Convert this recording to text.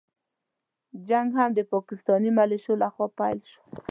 جنګ هم د پاکستاني مليشو له خوا پيل شو.